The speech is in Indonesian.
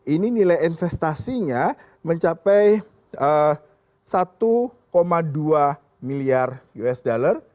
ini nilai investasinya mencapai satu dua miliar usd